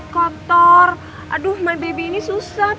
mami selalu ada di depanmu